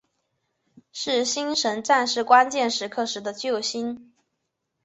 是星神战士关键时刻时的救星。